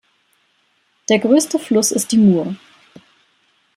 Der größte Fluss ist die Mur.